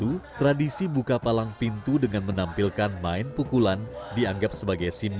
untuk kepala lampa pintu dalam satu unsurnya adalah silat